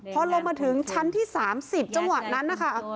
พอลงมาถึงชั้นที่๓๐จังหวะนั้นนะคะ